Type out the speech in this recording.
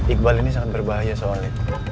iqbal ini sangat berbahaya soalnya